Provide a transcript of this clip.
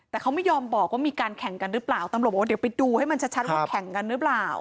แต่เขาไม่ยอมบอกว่ามีการแข่งกันหรือเปล่าตำรวจบอกว่าเดี๋ยวไปดูให้มันชัดว่าแข่งกันหรือเปล่า